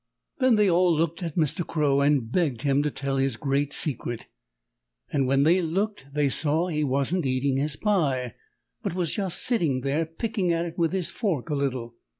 Then they all looked at Mr. Crow and begged him to tell his great secret, and when they looked they saw he wasn't eating his pie, but was just sitting there picking at it with his fork a little.